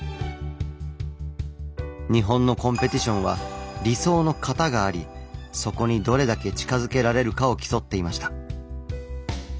日本のコンペティションは「理想の型」がありそこにどれだけ近づけられるかを競っていました。